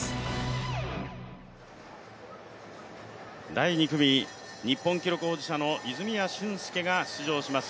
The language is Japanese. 第２組、日本記録保持者の泉谷駿介が出場します。